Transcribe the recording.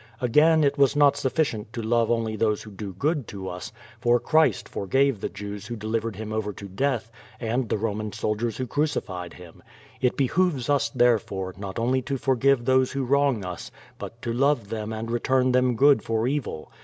Again, it was not sullicient to love only those who do good to us, for Christ forgave the Jews who delivered him over to death, and the Koman soldiers who crucified him. It be hooves us, therefore, not only to forgive those who wrong us, but to love them and return them good for evil.